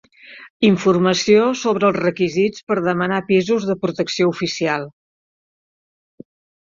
Informació sobre els requisits per demanar pisos de protecció oficial.